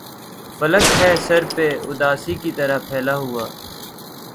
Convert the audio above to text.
فلک ہے سر پہ اُداسی کی طرح پھیلا ہُوا